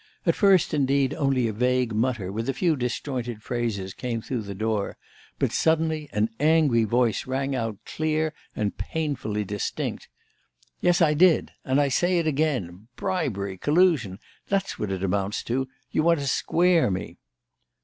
At first, indeed, only a vague mutter, with a few disjointed phrases, came through the door, but suddenly an angry voice rang out clear and painfully distinct: "Yes, I did! And I say it again. Bribery! Collusion! That's what it amounts to. You want to square me!"